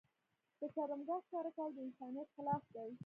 د شرمګاه ښکاره کول د انسانيت خلاف دي.